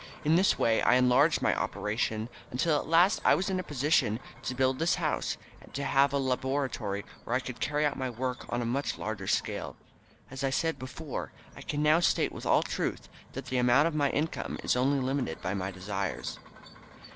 In this way I enlarged my operations until at last I was in a position to build this house and to have a laboratory where I could carry out my work on a much larger scale. As I said before, I can now state with all truth that the amount of my income is only limited by my desires."